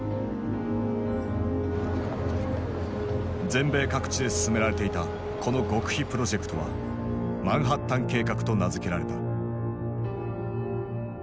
全米各地で進められていたこの極秘プロジェクトは「マンハッタン計画」と名付けられた。